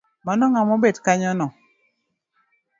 Mano ngama obet kanyono.